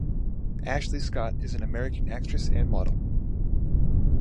Ashley Scott is an American actress and model.